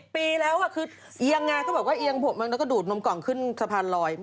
๖๗ปีแล้วคือเอียงงากครึ่งบอกว่าเอียงผมบอกว่าแล้วก็ดูดนมก่องขึ้นสะพานลอย